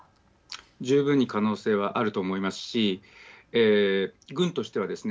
十分に可能性はあると思いますし軍としてはですね